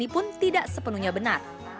pun tidak sepenuhnya benar